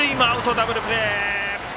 ダブルプレー！